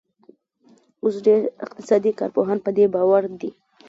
اوس ډېر اقتصادي کارپوهان پر دې باور دي.